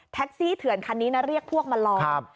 แท็กซี่เถื่อนคันนี้นะเรียกพวกมาลอง